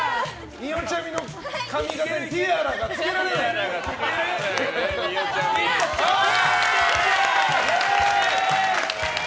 によちゃみの髪形にティアラがつけられない。